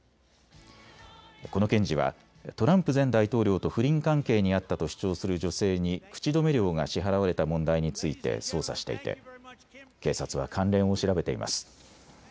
この検事はトランプ前大統領と不倫関係にあったと主張する女性に口止め料が支払われた問題について捜査していて警察は関連を調べています。